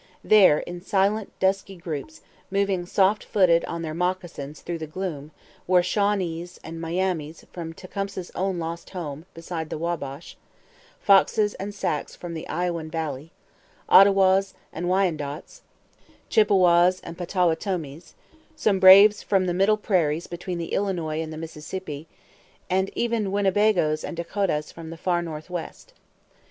There, in silent, dusky groups, moving soft foot on their moccasins through the gloom, were Shawnees and Miamis from Tecumseh's own lost home beside the Wabash, Foxes and Sacs from the Iowan valley, Ottawas and Wyandots, Chippewas and Potawatomis, some braves from the middle prairies between the Illinois and the Mississippi, and even Winnebagoes and Dakotahs from the far North West.